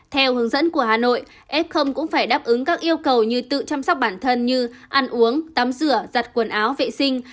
theo hướng dẫn của hà nội f cũng phải đáp ứng các yêu cầu như tự chăm sóc bản thân như ăn uống tắm rửa giặt quần áo vệ sinh